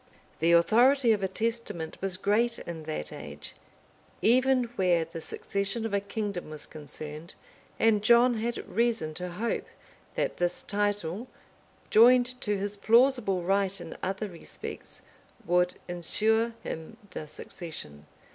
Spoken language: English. The authority of a testament was great in that age, even where the succession of a kingdom was concerned; and John had reason to hope, that this title, joined to his plausible right in other respects, would insure him the succession.